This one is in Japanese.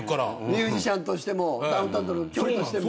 ミュージシャンとしてもダウンタウンとの距離にしても。